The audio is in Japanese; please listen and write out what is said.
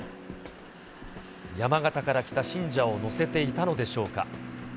山形から来た信者を乗せていたのでしょうか。